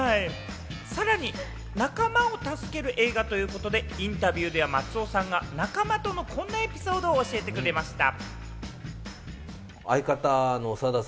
さらに仲間を助ける映画ということで、インタビューでは松尾さんが仲間とのこんなエピソードを教えてくれました。